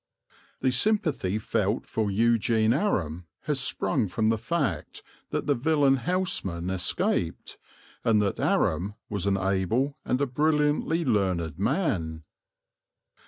The sympathy felt for Eugene Aram has sprung from the fact that the villain Houseman escaped, and that Aram was an able and a brilliantly learned man.